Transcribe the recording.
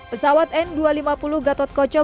pesawat n dua ratus lima puluh gatotko cakaria